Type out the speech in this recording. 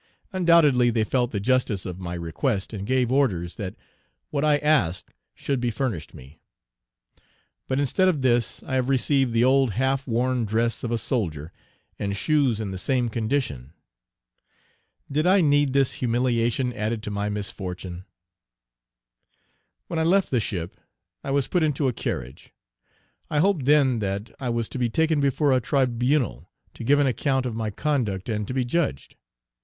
Undoubtedly, they felt the justice of my request, and gave orders that what I asked should be furnished me. But, instead of this, I have received the old half worn dress of a soldier, and shoes in the same condition. Did I need this humiliation added to my misfortune? When I left the ship, I was put into a carriage. I hoped then that I was to be taken before a tribunal to give an account of Page 326 my conduct, and to be judged.